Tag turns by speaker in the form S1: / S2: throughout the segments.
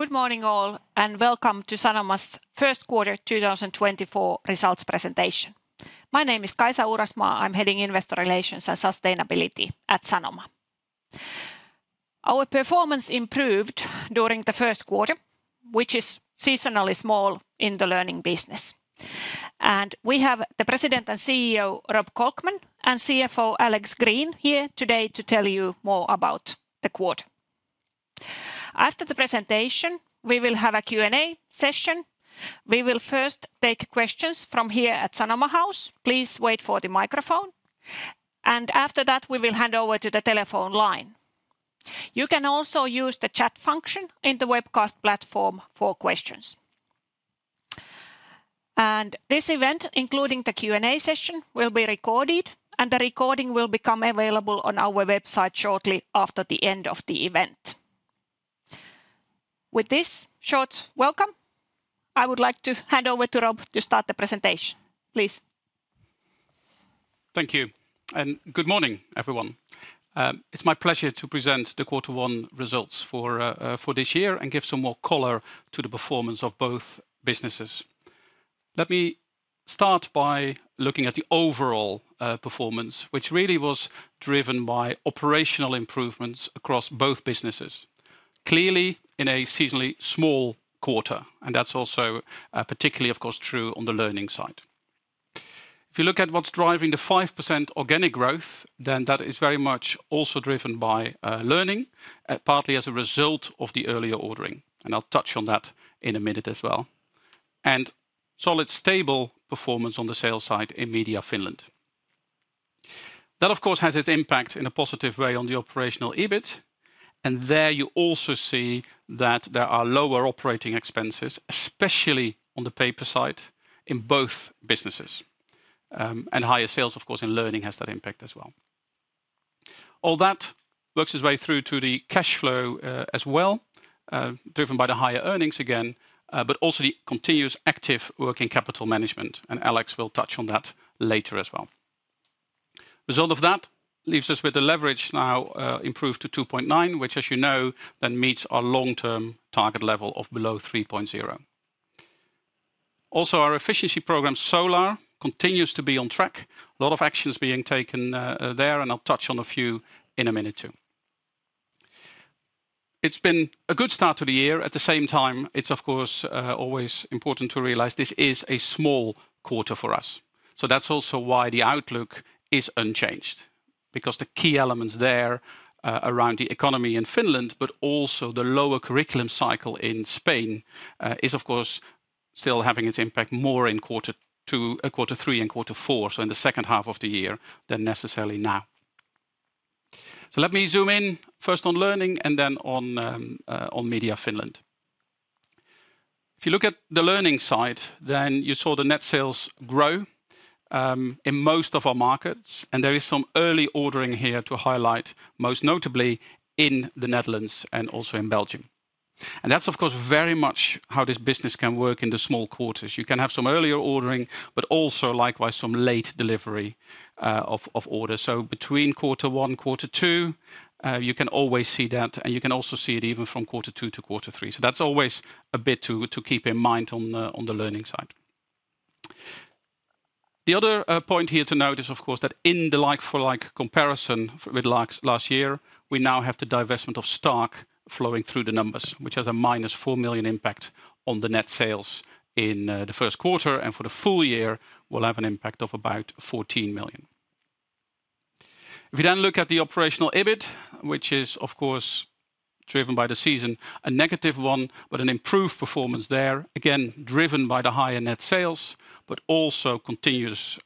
S1: Good morning all, and welcome to Sanoma's Q1 2024 results presentation. My name is Kaisa Uurasmaa. I'm heading Investor Relations and Sustainability at Sanoma. Our performance improved during the Q1, which is seasonally small in the learning business. We have the President and CEO, Rob Kolkman, and CFO, Alex Green, here today to tell you more about the quarter. After the presentation, we will have a Q&A session. We will first take questions from here at Sanoma House. Please wait for the microphone. After that, we will hand over to the telephone line. You can also use the chat function in the webcast platform for questions. This event, including the Q&A session, will be recorded, and the recording will become available on our website shortly after the end of the event. With this short welcome, I would like to hand over to Rob to start the presentation. Please.
S2: Thank you, and good morning, everyone. It's my pleasure to present the Q1 results for this year and give some more color to the performance of both businesses. Let me start by looking at the overall performance, which really was driven by operational improvements across both businesses. Clearly, in a seasonally small quarter, and that's also particularly, of course, true on the learning side. If you look at what's driving the 5% organic growth, then that is very much also driven by learning, partly as a result of the earlier ordering, and I'll touch on that in a minute as well. Solid, stable performance on the sales side in Media Finland. That, of course, has its impact in a positive way on the operational EBIT. And there, you also see that there are lower operating expenses, especially on the paper side, in both businesses. And higher sales, of course, in learning has that impact as well. All that works its way through to the cash flow, as well, driven by the higher earnings again, but also the continuous active working capital management, and Alex will touch on that later as well. Result of that leaves us with the leverage now, improved to 2.9, which, as you know, then meets our long-term target level of below 3.0. Also, our efficiency program, Solar, continues to be on track. A lot of actions being taken, there, and I'll touch on a few in a minute, too. It's been a good start to the year. At the same time, it's of course always important to realize this is a small quarter for us. So that's also why the outlook is unchanged. Because the key elements there around the economy in Finland, but also the lower curriculum cycle in Spain is, of course, still having its impact more in Q2, Q3 and Q4, so in the H2 of the year than necessarily now. So let me zoom in first on learning and then on Media Finland. If you look at the learning side, then you saw the net sales grow in most of our markets, and there is some early ordering here to highlight, most notably in the Netherlands and also in Belgium. And that's, of course, very much how this business can work in the small quarters. You can have some earlier ordering, but also, likewise, some late delivery of order. So between Q1, Q2, you can always see that, and you can also see it even from Q2 to Q3. So that's always a bit to keep in mind on the learning side. The other point here to note is, of course, that in the like for like comparison with last year, we now have the divestment of stock flowing through the numbers, which has a -4 million impact on the net sales in the Q1, and for the full year, will have an impact of about 14 million. If you then look at the operational EBIT, which is, of course, driven by the season, a negative one, but an improved performance there, again, driven by the higher net sales, but also continuous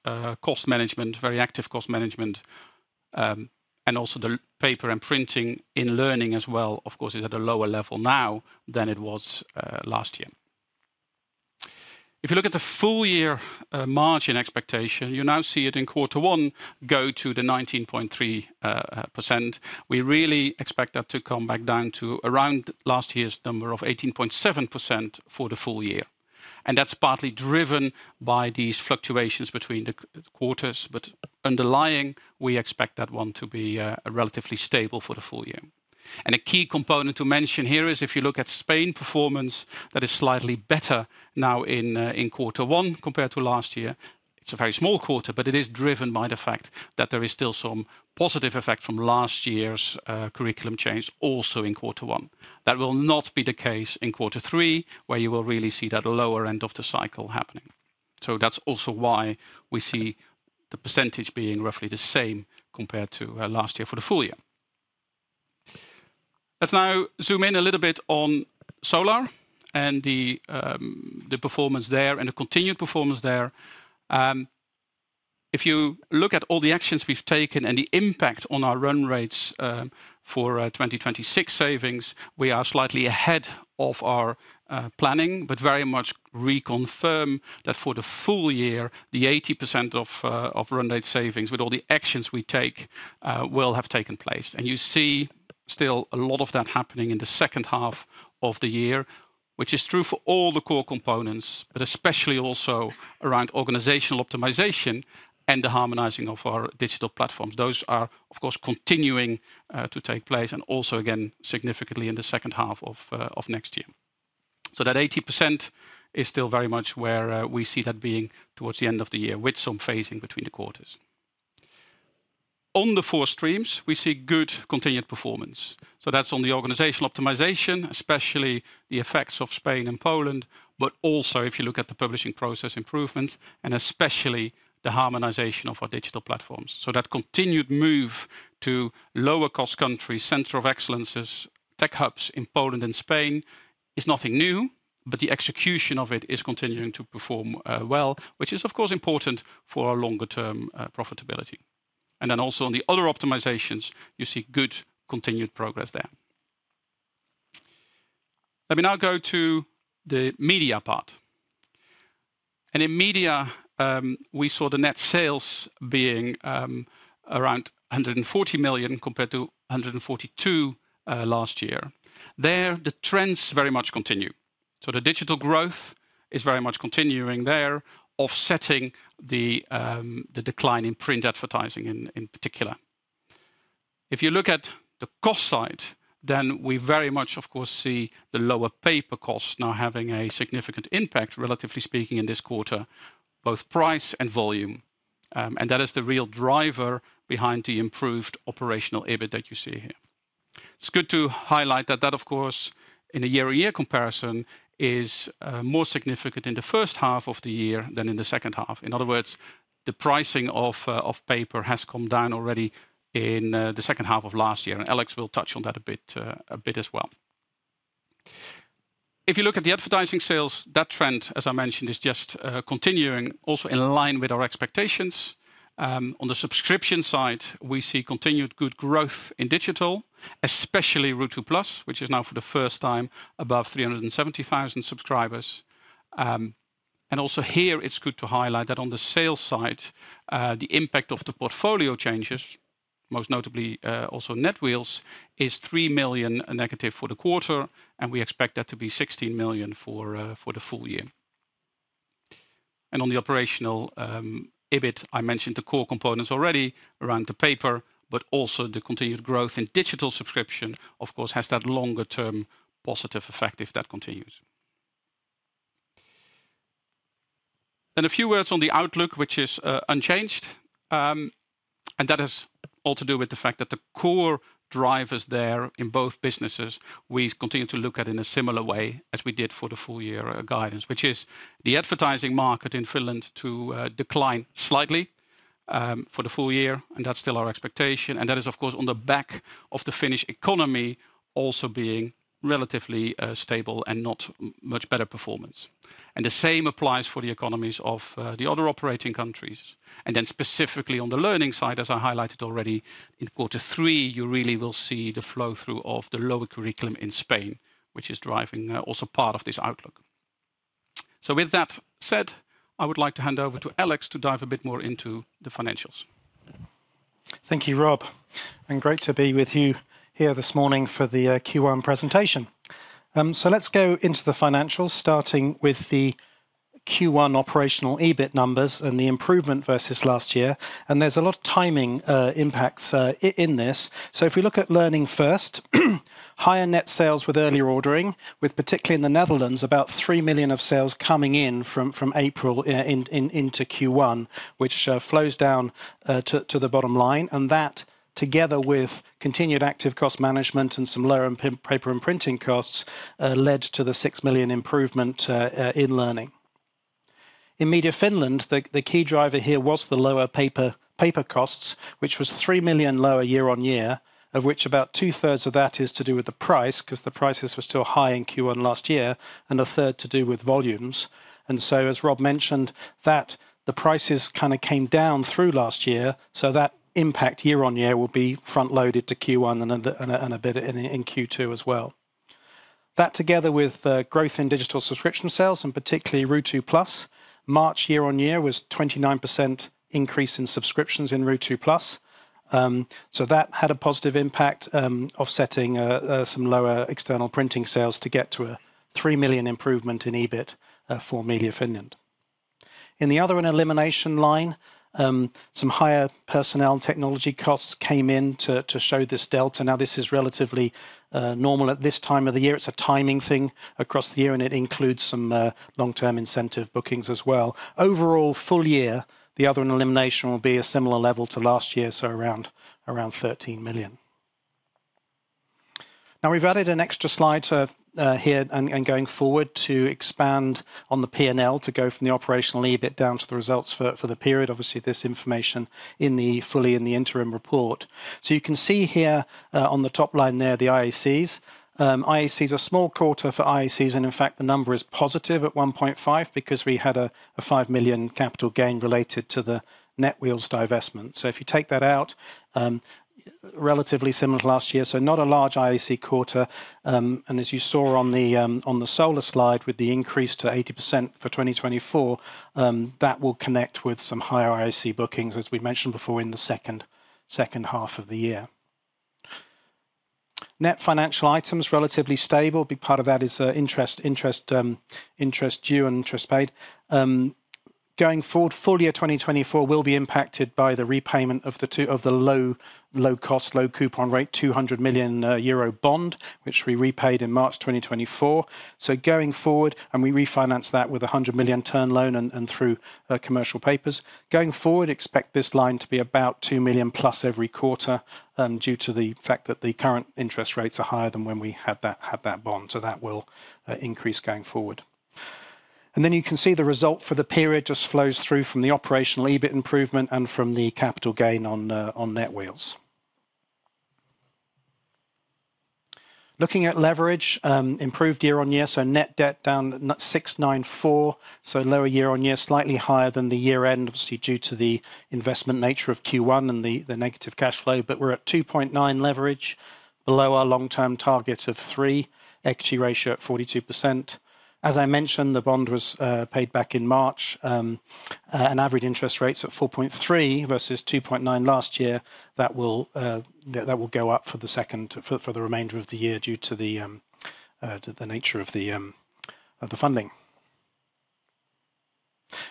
S2: cost management, very active cost management. And also the paper and printing in learning as well, of course, is at a lower level now than it was last year. If you look at the full year margin expectation, you now see it in Q1 go to the 19.3%. We really expect that to come back down to around last year's number of 18.7% for the full year. And that's partly driven by these fluctuations between the quarters, but underlying, we expect that one to be relatively stable for the full year. A key component to mention here is if you look at Spain performance, that is slightly better now in Q1 compared to last year. It's a very small quarter, but it is driven by the fact that there is still some positive effect from last year's curriculum change also in Q1. That will not be the case in Q3, where you will really see that lower end of the cycle happening. So that's also why we see the percentage being roughly the same compared to last year for the full year. Let's now zoom in a little bit on Solar and the performance there, and the continued performance there. If you look at all the actions we've taken and the impact on our run rates, for 2026 savings, we are slightly ahead of our planning, but very much reconfirm that for the full year, the 80% of run rate savings, with all the actions we take, will have taken place. You see still a lot of that happening in the H2 of the year, which is true for all the core components, but especially also around organizational optimization and the harmonizing of our digital platforms. Those are, of course, continuing to take place, and also, again, significantly in the H2 of next year. So that 80% is still very much where we see that being towards the end of the year, with some phasing between the quarters. On the four streams, we see good continued performance, so that's on the organizational optimization, especially the effects of Spain and Poland. But also, if you look at the publishing process improvements, and especially the harmonization of our digital platforms. So that continued move to lower-cost countries, centers of excellence, tech hubs in Poland and Spain, is nothing new, but the execution of it is continuing to perform well, which is, of course, important for our longer term profitability. And then also in the other optimizations, you see good continued progress there. Let me now go to the media part. And in media, we saw the net sales being around 140 million, compared to 142 million last year. There, the trends very much continue. So the digital growth is very much continuing there, offsetting the decline in print advertising in particular. If you look at the cost side, then we very much, of course, see the lower paper costs now having a significant impact, relatively speaking, in this quarter, both price and volume. And that is the real driver behind the improved operational EBIT that you see here. It's good to highlight that that, of course, in a year-on-year comparison, is more significant in the H1 of the year than in the H2. In other words, the pricing of paper has come down already in the H2 of last year, and Alex will touch on that a bit as well. If you look at the advertising sales, that trend, as I mentioned, is just continuing, also in line with our expectations. On the subscription side, we see continued good growth in digital, especially Ruutu+, which is now for the first time above 370,000 subscribers. And also here, it's good to highlight that on the sales side, the impact of the portfolio changes, most notably also Netwheels, is 3 million negative for the quarter, and we expect that to be 16 million for the full year. And on the operational EBIT, I mentioned the core components already around the paper, but also the continued growth in digital subscription, of course, has that longer-term positive effect if that continues. Then a few words on the outlook, which is unchanged. And that is all to do with the fact that the core drivers there in both businesses we continue to look at in a similar way as we did for the full year guidance, which is the advertising market in Finland to decline slightly for the full year, and that's still our expectation. And that is, of course, on the back of the Finnish economy also being relatively stable and not much better performance. And the same applies for the economies of the other operating countries. And then specifically on the learning side, as I highlighted already, in Q3, you really will see the flow-through of the lower curriculum in Spain, which is driving also part of this outlook. So with that said, I would like to hand over to Alex to dive a bit more into the financials.
S3: Thank you, Rob, and great to be with you here this morning for the Q1 presentation. So let's go into the financials, starting with the Q1 operational EBIT numbers and the improvement versus last year. There's a lot of timing impacts in this. So if we look at learning first, higher net sales with earlier ordering, particularly in the Netherlands, about 3 million of sales coming in from April into Q1, which flows down to the bottom line. And that, together with continued active cost management and some lower paper and printing costs, led to the 6 million improvement in learning. In Media Finland, the key driver here was the lower paper costs, which was 3 million lower year-on-year, of which about two-thirds of that is to do with the price, 'cause the prices were still high in Q1 last year, and a third to do with volumes. And so, as Rob mentioned, that the prices kinda came down through last year, so that impact year-on-year will be front loaded to Q1 and a bit in Q2 as well. That, together with growth in digital subscription sales, and particularly Ruutu+, March year-on-year was 29% increase in subscriptions in Ruutu+. So that had a positive impact, offsetting some lower external printing sales to get to a 3 million improvement in EBIT for Media Finland. In the other and elimination line, some higher personnel and technology costs came in to show this delta. Now, this is relatively normal at this time of the year. It's a timing thing across the year, and it includes some long-term incentive bookings as well. Overall, full year, the other and elimination will be a similar level to last year, so around 13 million. Now, we've added an extra slide to here and going forward to expand on the P&L, to go from the operational EBIT down to the results for the period. Obviously, this information in the fully in the interim report. So you can see here, on the top line there, the IACs. IAC's a small quarter for IACs, and in fact, the number is positive at 1.5 million, because we had a five million capital gain related to the NetWheels divestment. So if you take that out, relatively similar to last year, so not a large IAC quarter. And as you saw on the, on the Solar slide, with the increase to 80% for 2024, that will connect with some higher IAC bookings, as we mentioned before, in the H2 of the year. Net financial items, relatively stable. Big part of that is interest, interest, interest due and interest paid. Going forward, full year 2024 will be impacted by the repayment of the low cost, low coupon rate, 200 million euro bond, which we repaid in March 2024. So going forward, we refinanced that with a 100 million term loan and through commercial papers. Going forward, expect this line to be about 2 million plus every quarter, due to the fact that the current interest rates are higher than when we had that bond. So that will increase going forward. And then you can see the result for the period just flows through from the Operational EBIT improvement and from the capital gain on NetWheels. Looking at leverage, improved year-over-year, so net debt down 69.4, so lower year-over-year, slightly higher than the year end, obviously, due to the investment nature of Q1 and the negative cash flow. But we're at 2.9 leverage, below our long-term target of three. Equity ratio at 42%. As I mentioned, the bond was paid back in March, and average interest rate's at 4.3% versus 2.9% last year. That will go up for the remainder of the year due to the nature of the funding.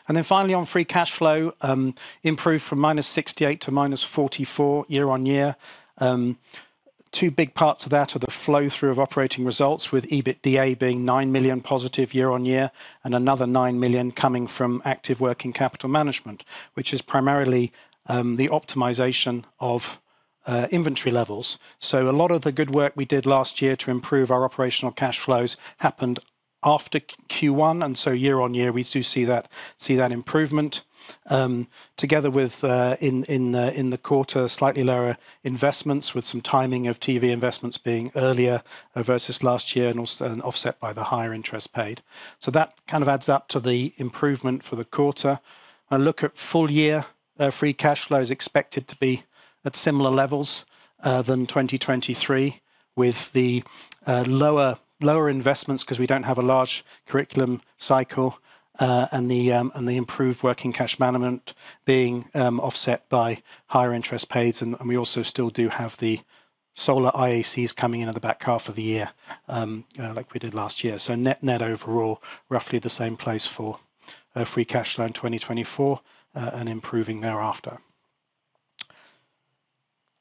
S3: And then finally, on Free Cash Flow, improved from -68 million to -44 million year-on-year. Two big parts of that are the flow-through of operating results, with EBITDA being 9 million positive year-on-year, and another 9 million coming from active working capital management, which is primarily the optimization of inventory levels. So a lot of the good work we did last year to improve our operational cash flows happened after Q1, and so year-on-year, we do see that improvement. Together with, in the quarter, slightly lower investments, with some timing of TV investments being earlier versus last year, and offset by the higher interest paid. So that kind of adds up to the improvement for the quarter. A look at full year free cash flow is expected to be at similar levels than 2023, with the lower investments, 'cause we don't have a large curriculum cycle, and the improved working cash management being offset by higher interest paid. And we also still do have the Solar IACs coming in in the back half of the year, like we did last year. So net-net overall, roughly the same place for free cash flow in 2024, and improving thereafter.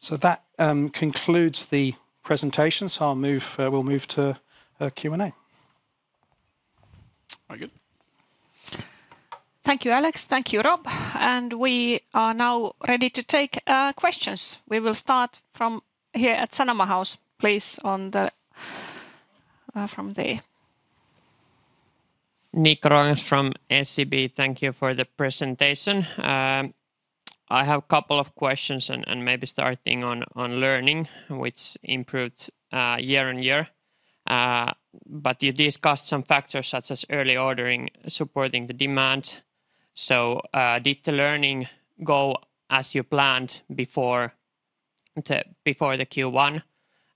S3: So that concludes the presentation. We'll move to Q&A.
S2: Very good.
S1: Thank you, Alex. Thank you, Rob. We are now ready to take questions. We will start from here at Sanoma House. Please, on the from the-
S4: Nikko Ruokangas from SEB. Thank you for the presentation. I have couple of questions and, and maybe starting on learning, which improved year-on-year. But you discussed some factors, such as early ordering, supporting the demand. So, did the learning go as you planned before the, before the Q1?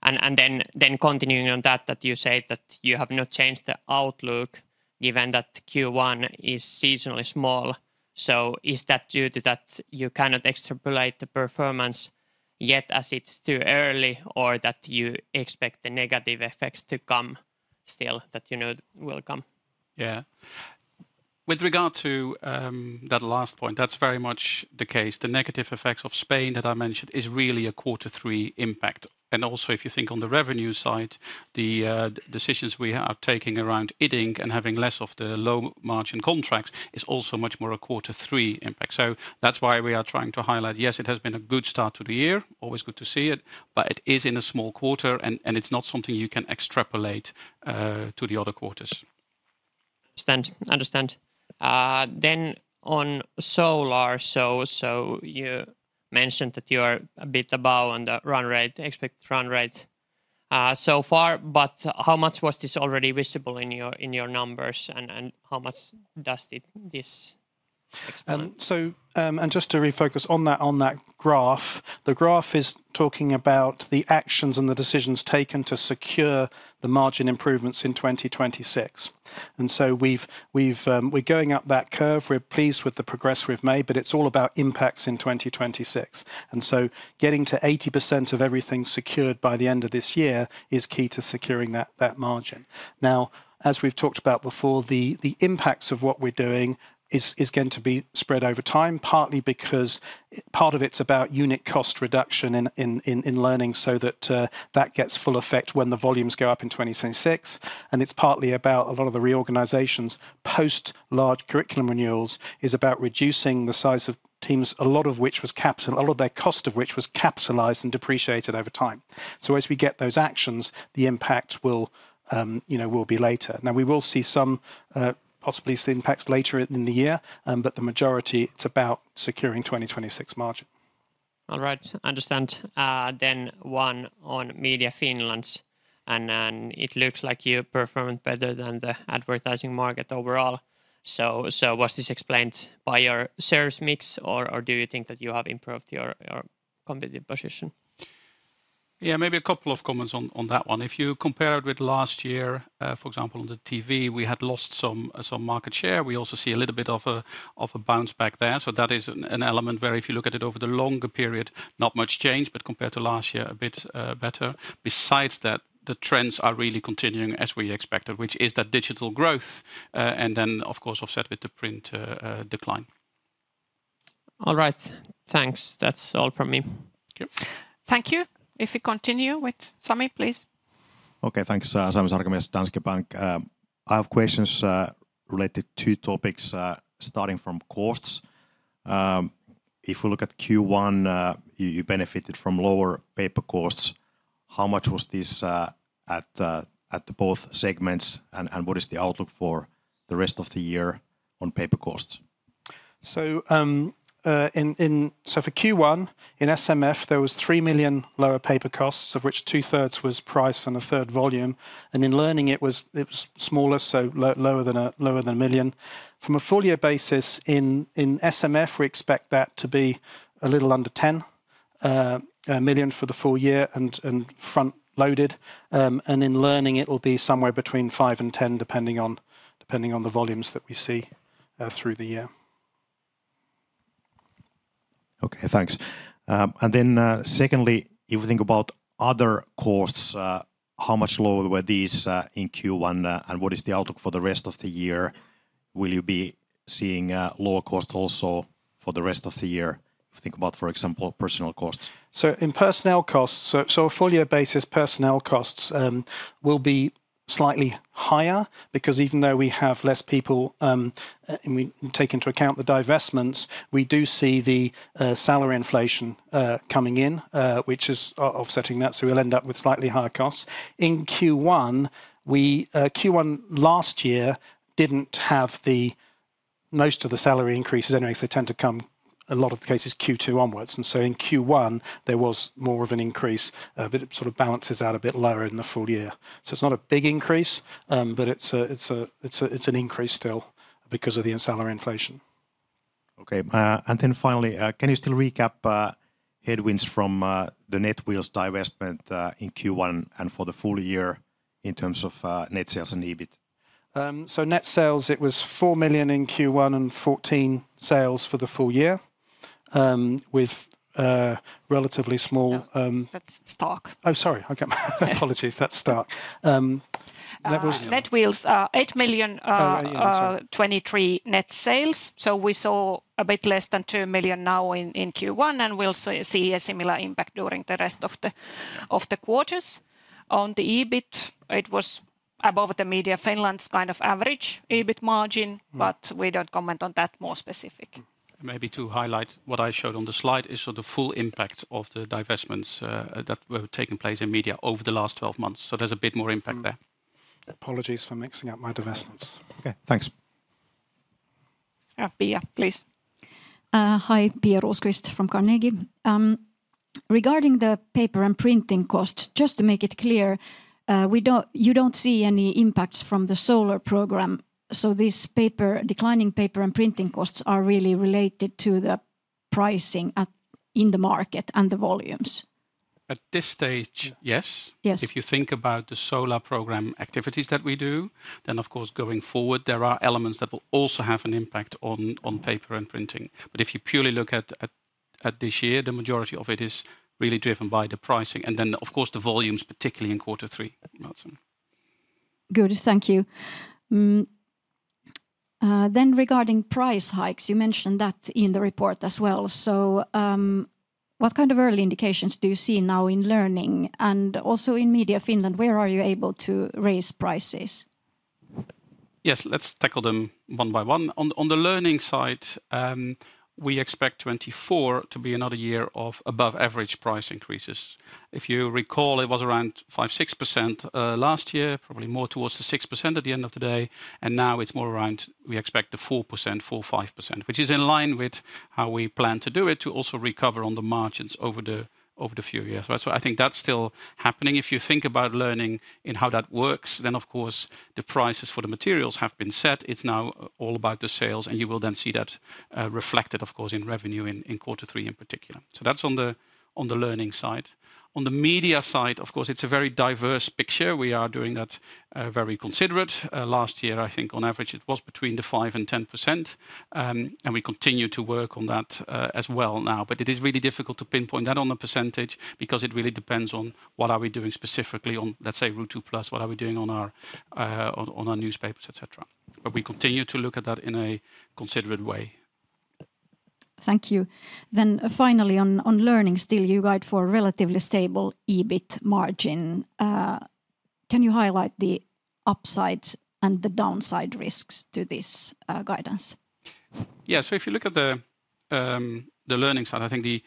S4: And, and then, then continuing on that, that you say that you have not changed the outlook, given that Q1 is seasonally small. So is that due to that you cannot extrapolate the performance yet, as it's too early, or that you expect the negative effects to come still, that you know will come?
S2: Yeah. With regard to that last point, that's very much the case. The negative effects of Spain that I mentioned is really a Q3 impact. And also, if you think on the revenue side, the decisions we are taking around bidding and having less of the low-margin contracts is also much more a Q3 impact. So that's why we are trying to highlight, yes, it has been a good start to the year, always good to see it, but it is in a small quarter, and it's not something you can extrapolate to the other quarters.
S4: Understand. Understand. Then on Solar, so you mentioned that you are a bit above on the run rate, expected run rate, so far, but how much was this already visible in your, in your numbers, and how much does it, this expand?
S3: So, and just to refocus on that, on that graph, the graph is talking about the actions and the decisions taken to secure the margin improvements in 2026. And so we've, we've, we're going up that curve. We're pleased with the progress we've made, but it's all about impacts in 2026. And so getting to 80% of everything secured by the end of this year is key to securing that, that margin. Now, as we've talked about before, the, the impacts of what we're doing is, is going to be spread over time, partly because part of it's about unit cost reduction in, in, in, in learning, so that, that gets full effect when the volumes go up in 2026. And it's partly about a lot of the reorganizations. Post large curriculum renewals is about reducing the size of teams, a lot of which was capital- a lot of their cost of which was capitalized and depreciated over time. So as we get those actions, the impact will, you know, will be later. Now, we will see some, possibly see impacts later in the year, but the majority, it's about securing 2026 margin.
S4: All right. Understand. Then one on Media Finland, and then it looks like you performed better than the advertising market overall. So, so was this explained by your shares mix, or, or do you think that you have improved your, your competitive position? ...
S2: Yeah, maybe a couple of comments on, on that one. If you compare it with last year, for example, on the TV, we had lost some, some market share. We also see a little bit of a, of a bounce back there, so that is an, an element where if you look at it over the longer period, not much change, but compared to last year, a bit better. Besides that, the trends are really continuing as we expected, which is the digital growth, and then of course offset with the print decline.
S4: All right, thanks. That's all from me.
S2: Okay.
S1: Thank you. If we continue with Sami, please.
S5: Okay, thanks. Sami Sarkamies, Danske Bank. I have questions related to topics starting from costs. If we look at Q1, you benefited from lower paper costs. How much was this at the both segments, and what is the outlook for the rest of the year on paper costs?
S3: So for Q1, in SMF, there was 3 million lower paper costs, of which two-thirds was price and a third volume, and in Learning it was smaller, so lower than 1 million. From a full-year basis, in SMF, we expect that to be a little under 10 million for the full year, and front-loaded. And in Learning, it'll be somewhere between 5 million and 10 million, depending on the volumes that we see through the year.
S5: Okay, thanks. And then, secondly, if you think about other costs, how much lower were these in Q1, and what is the outlook for the rest of the year? Will you be seeing lower cost also for the rest of the year? Think about, for example, personal costs.
S3: So in personnel costs, a full-year basis, personnel costs, will be slightly higher, because even though we have less people, and we take into account the divestments, we do see the salary inflation coming in, which is offsetting that, so we'll end up with slightly higher costs. In Q1, Q1 last year didn't have the most of the salary increases, anyways, they tend to come, a lot of the cases, Q2 onwards. And so in Q1, there was more of an increase, but it sort of balances out a bit lower in the full year. So it's not a big increase, but it's a, it's a, it's a, it's an increase still because of the salary inflation.
S5: Okay, and then finally, can you still recap headwinds from the NetWheels divestment in Q1 and for the full year in terms of net sales and EBIT?
S3: Net sales, it was 4 million in Q1 and 14 million sales for the full year, with relatively small,
S1: No, that's stock.
S3: Oh, sorry. Okay. Apologies, that's stock. That was-
S1: NetWheels are 8 million.
S3: Oh, yeah, I'm sorry....
S1: 2023 net sales, so we saw a bit less than 2 million now in Q1, and we'll see a similar impact during the rest of the quarters. On the EBIT, it was above the Media Finland's kind of average EBIT margin-
S3: Mm...
S1: but we don't comment on that more specific.
S2: Maybe to highlight, what I showed on the slide is so the full impact of the divestments that were taking place in Media over the last 12 months, so there's a bit more impact there.
S3: Apologies for mixing up my divestments.
S5: Okay, thanks.
S1: Pia, please.
S6: Hi, Pia Rosqvist from Carnegie. Regarding the paper and printing costs, just to make it clear, we don't, you don't see any impacts from the Solar program. So this paper, declining paper and printing costs are really related to the pricing at, in the market and the volumes?
S2: At this stage, yes.
S6: Yes.
S2: If you think about the Solar program activities that we do, then of course, going forward, there are elements that will also have an impact on paper and printing. But if you purely look at this year, the majority of it is really driven by the pricing, and then, of course, the volumes, particularly in Q3.
S3: That's it.
S6: Good. Thank you. Then regarding price hikes, you mentioned that in the report as well. So, what kind of early indications do you see now in Learning, and also in Media Finland, where are you able to raise prices?
S2: Yes, let's tackle them one by one. On the Learning side, we expect 2024 to be another year of above-average price increases. If you recall, it was around 5%-6%, last year, probably more towards the 6% at the end of the day, and now it's more around, we expect a 4%-5%, which is in line with how we plan to do it, to also recover on the margins over the few years. Right, so I think that's still happening. If you think about Learning and how that works, then of course, the prices for the materials have been set. It's now all about the sales, and you will then see that, reflected, of course, in revenue in Q3 in particular. So that's on the Learning side. On the Media side, of course, it's a very diverse picture. We are doing that, very considerate. Last year, I think on average, it was between 5%-10%, and we continue to work on that, as well now. But it is really difficult to pinpoint that on a percentage because it really depends on what are we doing specifically on, let's say, Ruutu+, what are we doing on our, on our newspapers, et cetera. But we continue to look at that in a considerate way.
S6: Thank you. Then finally, on Learning still, you guide for a relatively stable EBIT margin. Can you highlight the upsides and the downside risks to this guidance?
S2: Yeah, so if you look at the, the Learning side, I think the,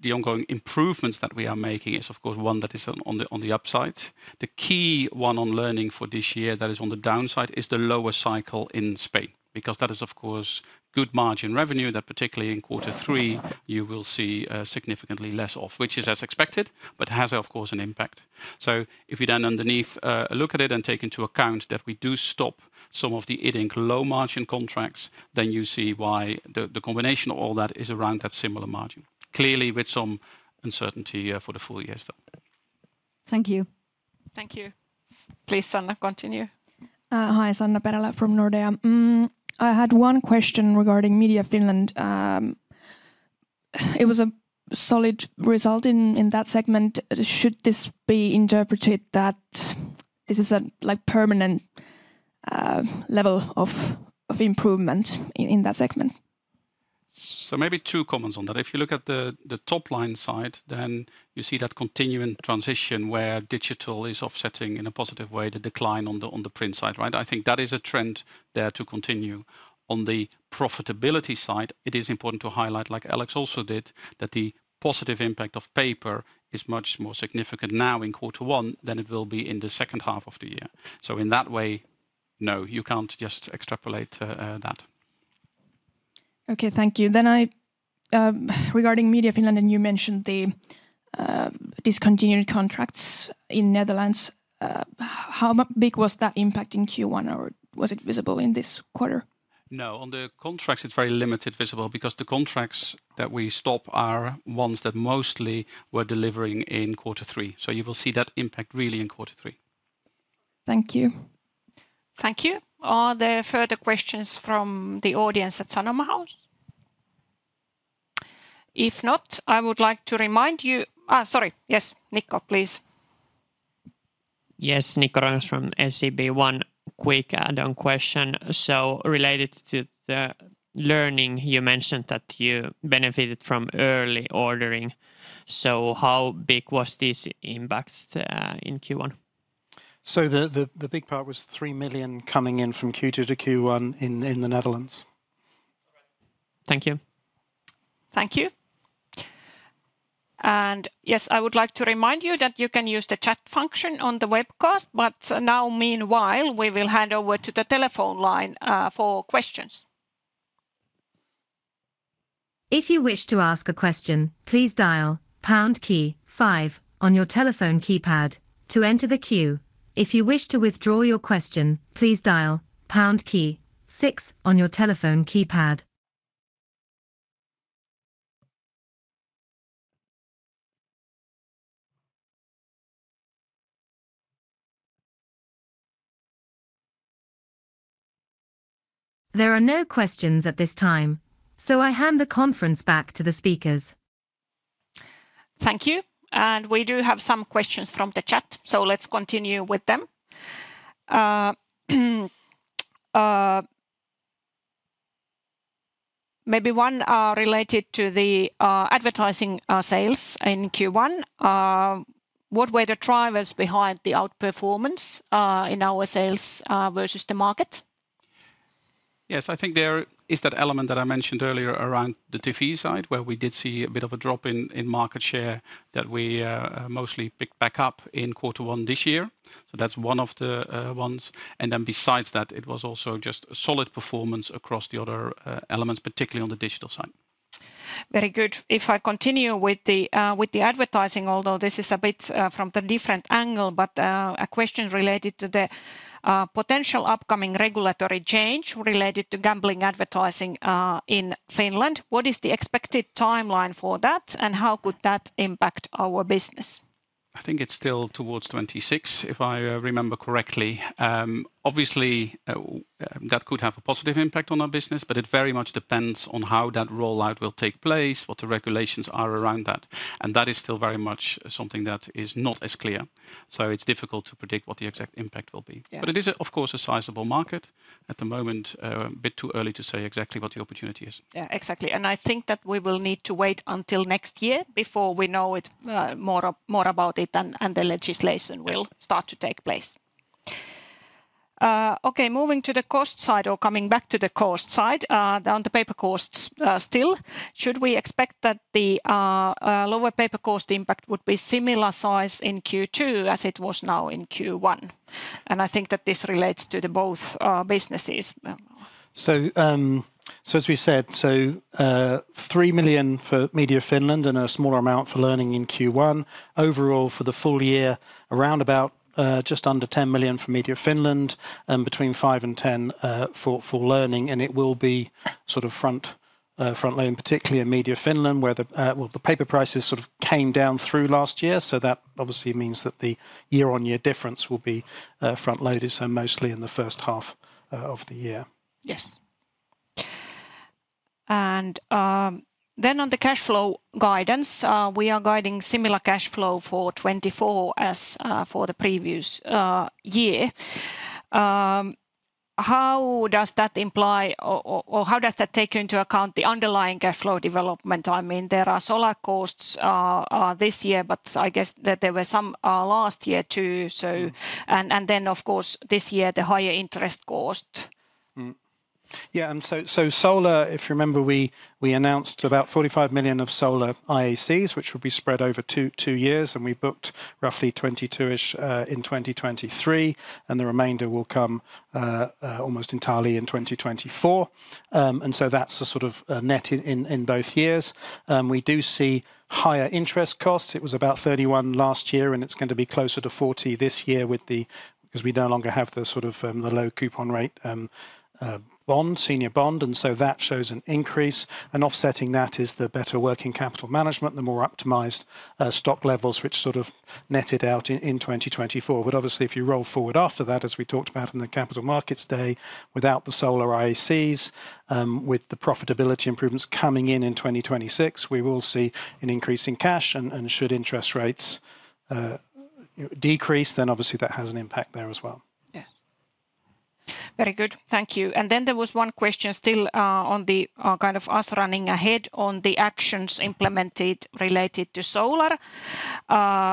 S2: the ongoing improvements that we are making is of course one that is on the, on the upside. The key one on Learning for this year, that is on the downside, is the lower cycle in Spain, because that is, of course, good margin revenue, that particularly in Q3, you will see significantly less of, which is as expected, but has, of course, an impact. So if you then underneath, look at it and take into account that we do stop some of the ending low-margin contracts, then you see why the, the combination of all that is around that similar margin. Clearly, with some uncertainty, for the full year, still.
S6: Thank you.
S1: Thank you. Please, Sanna, continue.
S7: Hi, Sanna Perälä from Nordea. I had one question regarding Media Finland. It was a solid result in that segment. Should this be interpreted that this is a, like, permanent level of improvement in that segment?
S2: So maybe two comments on that. If you look at the top-line side, then you see that continuing transition, where digital is offsetting, in a positive way, the decline on the print side, right? I think that is a trend there to continue. On the profitability side, it is important to highlight, like Alex also did, that the positive impact of paper is much more significant now in Q1 than it will be in the H2 of the year. So in that way, no, you can't just extrapolate that.
S7: Okay, thank you. Then I, regarding Media Finland, and you mentioned the discontinued contracts in Netherlands. How big was that impact in Q1, or was it visible in this quarter?
S2: No, on the contracts, it's very limited visible, because the contracts that we stop are ones that mostly were delivering in Q3. So you will see that impact really in Q3.
S7: Thank you.
S1: Thank you. Are there further questions from the audience at Sanoma House? If not, I would like to remind you... Ah, sorry, yes. Nikko, please.
S4: Yes, Nikko Ruokangas from SEB. One quick add-on question. So related to the Learning, you mentioned that you benefited from early ordering, so how big was this impact in Q1?
S3: So the big part was 3 million coming in from Q2 to Q1 in the Netherlands.
S4: Thank you.
S1: Thank you. Yes, I would like to remind you that you can use the chat function on the webcast, but now, meanwhile, we will hand over to the telephone line for questions.
S8: If you wish to ask a question, please dial pound key five on your telephone keypad to enter the queue. If you wish to withdraw your question, please dial pound key six on your telephone keypad. There are no questions at this time, so I hand the conference back to the speakers.
S1: Thank you. We do have some questions from the chat, so let's continue with them. Maybe one related to the advertising sales in Q1. What were the drivers behind the outperformance in our sales versus the market?
S2: Yes, I think there is that element that I mentioned earlier around the TV side, where we did see a bit of a drop in market share that we mostly picked back up in Q1 this year. So that's one of the ones. And then, besides that, it was also just a solid performance across the other elements, particularly on the digital side.
S1: Very good. If I continue with the advertising, although this is a bit from a different angle, but a question related to the potential upcoming regulatory change related to gambling advertising in Finland. What is the expected timeline for that, and how could that impact our business?
S2: I think it's still towards 2026, if I remember correctly. Obviously, that could have a positive impact on our business, but it very much depends on how that rollout will take place, what the regulations are around that, and that is still very much something that is not as clear. So it's difficult to predict what the exact impact will be.
S1: Yeah.
S2: But it is, of course, a sizable market. At the moment, a bit too early to say exactly what the opportunity is.
S1: Yeah, exactly, and I think that we will need to wait until next year before we know it more about it, and the legislation-
S2: Yes...
S1: will start to take place. Okay, moving to the cost side, or coming back to the cost side, on the paper costs, still, should we expect that the lower paper cost impact would be similar size in Q2 as it was now in Q1? And I think that this relates to the both businesses.
S3: So, as we said, 3 million for Media Finland and a smaller amount for Learning in Q1. Overall, for the full year, around about just under 10 million for Media Finland, and between 5 and 10 for Learning, and it will be sort of front-loaded, particularly in Media Finland, where the well, the paper prices sort of came down through last year. So that obviously means that the year-on-year difference will be front-loaded, so mostly in the H1 of the year.
S1: Yes. And, then on the cash flow guidance, we are guiding similar cash flow for 2024 as for the previous year. How does that imply or how does that take into account the underlying cash flow development? I mean, there are Solar costs this year, but I guess that there were some last year, too, so...
S3: Mm-hmm.
S1: And then, of course, this year, the higher interest cost.
S2: Mm-hmm. ...
S3: Yeah, and so, Solar, if you remember, we announced about 45 million of Solar IACs, which will be spread over two years, and we booked roughly 22-ish in 2023, and the remainder will come almost entirely in 2024. And so that's the sort of net in both years. We do see higher interest costs. It was about 31 last year, and it's going to be closer to 40 this year with the—'cause we no longer have the sort of the low coupon rate bond, senior bond, and so that shows an increase. And offsetting that is the better working capital management, the more optimized stock levels, which sort of netted out in 2024. But obviously, if you roll forward after that, as we talked about in the Capital Markets Day, without the Solar IACs, with the profitability improvements coming in in 2026, we will see an increase in cash. And should interest rates decrease, then obviously that has an impact there as well.
S1: Yes. Very good. Thank you. And then there was one question still, on the kind of us running ahead on the actions implemented related to Solar.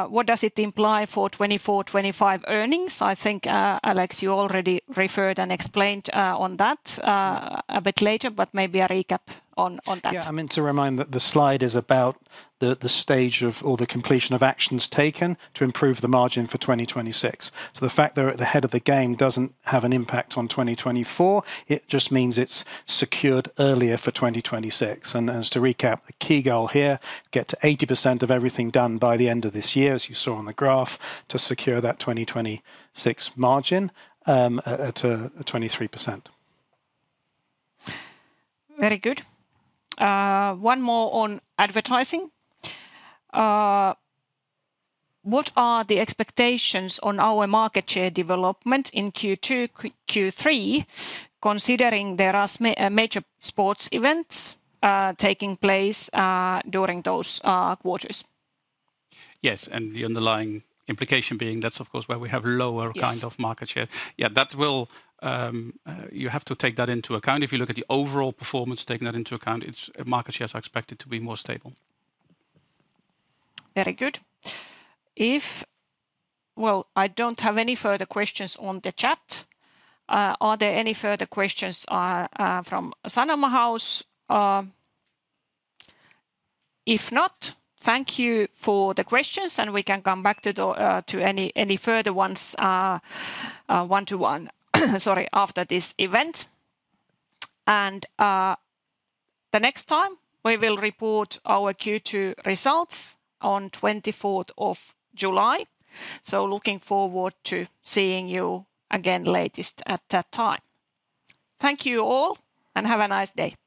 S1: What does it imply for 2024, 2025 earnings? I think, Alex, you already referred and explained on that a bit later, but maybe a recap on that.
S3: Yeah, I mean, to remind that the slide is about the stage or the completion of actions taken to improve the margin for 2026. So the fact they're at the head of the game doesn't have an impact on 2024, it just means it's secured earlier for 2026. And as to recap, the key goal here, get to 80% of everything done by the end of this year, as you saw on the graph, to secure that 2026 margin at 23%.
S1: Very good. One more on advertising. What are the expectations on our market share development in Q2, Q3, considering there are major sports events taking place during those quarters?
S2: Yes, and the underlying implication being that's, of course, where we have lower-
S1: Yes...
S2: kind of market share. Yeah, that will, you have to take that into account. If you look at the overall performance, taking that into account, its market shares are expected to be more stable.
S1: Very good. Well, I don't have any further questions on the chat. Are there any further questions from Sanoma house? If not, thank you for the questions, and we can come back to any further ones one to one, sorry, after this event. The next time, we will report our Q2 results on 24th of July. So looking forward to seeing you again, latest at that time. Thank you, all, and have a nice day!